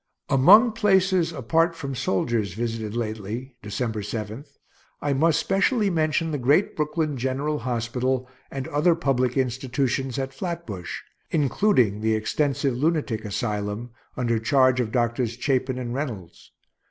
Among places, apart from soldiers', visited lately (December 7) I must specially mention the great Brooklyn general hospital and other public institutions at Flatbush, including the extensive lunatic asylum, under charge of Drs. Chapin and Reynolds.